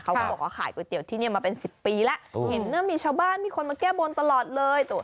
เขาก็บอกว่าขายก๋วยเตี๋ยวที่นี่มาเป็น๑๐ปีแล้วเห็นนะมีชาวบ้านมีคนมาแก้บนตลอดเลย